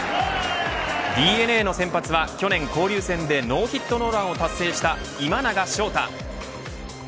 ＤｅＮＡの先発は去年交流戦でノーヒットノーランを達成した今永昇太。